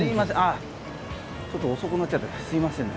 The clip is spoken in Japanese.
ちょっと遅くなっちゃってすいませんね。